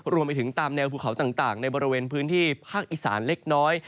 รวมไปถึงตามแนวภูเขาต่างในบริเวณพื้นที่ภาคอีสานเล็กน้อย